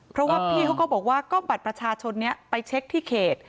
เพราะว่าพี่เขาก็บอกว่าก็บัตรประชาชนนี้ไปเช็คที่เขต